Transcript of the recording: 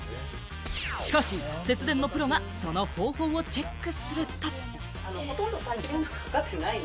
しかし節電のプロがその方法をチェックすると。